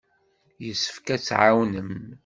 Yessefk ad tt-tɛawnem.